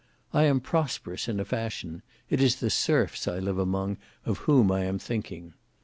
I am prosperous in a fashion; it is the serfs I live among of whom I am thinking.